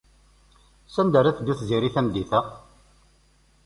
Sanda ara teddu Tiziri tameddit-a?